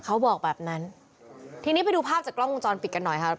เขาบอกแบบนั้นทีนี้ไปดูภาพจากกล้องวงจรปิดกันหน่อยค่ะ